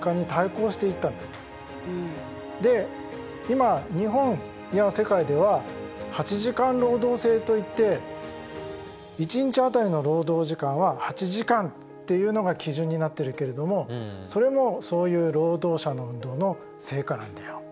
で今日本や世界では８時間労働制といって一日当たりの労働時間は８時間っていうのが基準になっているけどもそれもそういう労働者の運動の成果なんだよ。